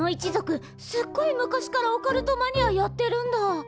昔からオカルトマニアやってるんだ！？